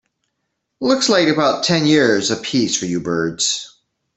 Looks like about ten years a piece for you birds.